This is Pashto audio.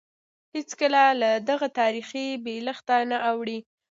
هېڅکله له دغه تاریخي بېلښته نه اوړي.